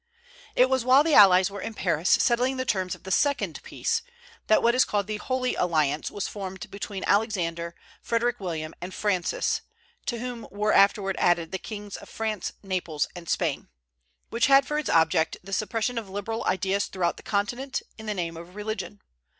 It was while the allies were in Paris settling the terms of the second peace, that what is called the "Holy Alliance" was formed between Alexander, Frederick William, and Francis (to whom were afterward added the kings of France, Naples, and Spain), which had for its object the suppression of liberal ideas throughout the Continent, in the name of religion.